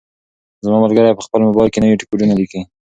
زما ملګری په خپل موبایل کې نوي کوډونه لیکي.